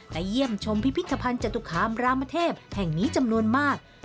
และเยี่ยมชมพิพิธภัณฑ์จตุคามรามเทพแห่งนี้จำนวนมาก